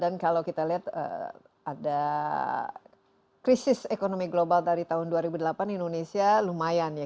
dan kalau kita lihat ada krisis ekonomi global dari tahun dua ribu delapan indonesia lumayan ya